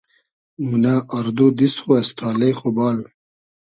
مونۂ آر دو دیست خو از تالې خو بال